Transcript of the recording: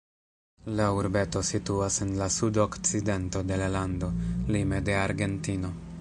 La urbeto situas en la sudokcidento de la lando, lime de Argentino.